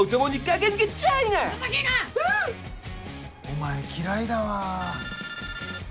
お前嫌いだわ。